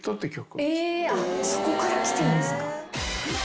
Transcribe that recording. そこからきてんですか。